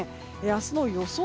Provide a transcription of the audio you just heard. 明日の予想